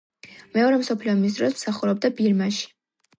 მეორე მსოფლიო ომის დროს მსახურობდა ბირმაში.